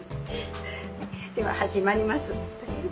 では始まります。